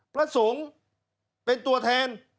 พระสงฆ์เป็นตัวแทน